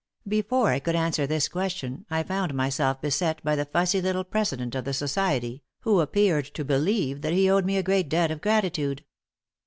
Before I could answer this question I found myself beset by the fussy little president of the society, who appeared to believe that he owed me a great debt of gratitude.